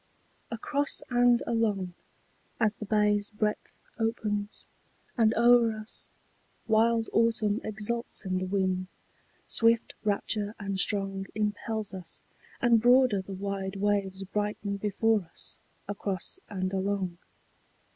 Across and along, as the bay's breadth opens, and o'er us Wild autumn exults in the wind, swift rapture and strong Impels us, and broader the wide waves brighten before us Across and along.